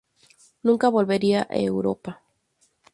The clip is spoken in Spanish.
Nunca volvería a Europa.